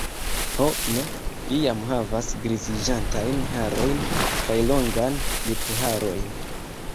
Ho ne, li jam havas griziĝantajn harojn kaj longajn lipharojn.